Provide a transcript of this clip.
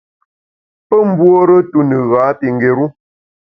Pe mbuore tu ne gha pi ngéru.